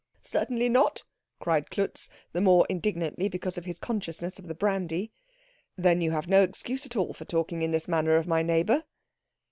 "Certainly not," cried Klutz, the more indignantly because of his consciousness of the brandy. "Then you have no excuse at all for talking in this manner of my neighbour?"